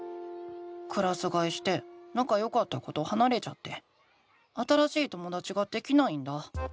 クラスがえしてなかよかった子とはなれちゃって新しいともだちができないんだ。